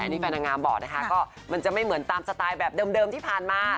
อันนี้แฟนนางงามบอกนะคะก็มันจะไม่เหมือนตามสไตล์แบบเดิมที่ผ่านมา